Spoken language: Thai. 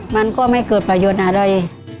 มันก็ไม่เกิดประโยชน์อะไร